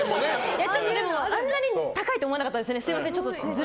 ちょっとでもあんなに高いと思わなかったですね。